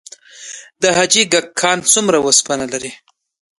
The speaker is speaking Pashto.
د حاجي ګک کان څومره وسپنه لري؟